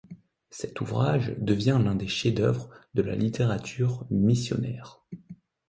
Cet ouvrage devient l'un des chefs-d'œuvre de la littérature missionnaire.